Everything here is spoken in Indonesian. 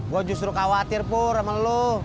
gue justru khawatir pur sama lu